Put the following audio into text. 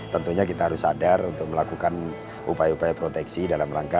tentunya kita harus sadar untuk melakukan upaya upaya proteksi dalam rangka